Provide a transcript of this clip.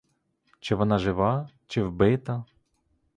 Чи вона жива, чи вбита?